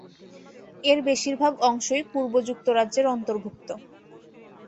এর বেশিরভাগ অংশই পূর্ব যুক্তরাজ্যের অন্তর্ভুক্ত।